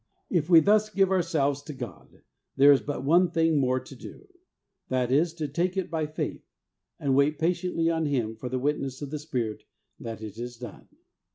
If we thus give ourselves to God, there is but one thing more to do ; that is, to take it by faith, and wait patiently on Him for the witness of the Spirit that it is done.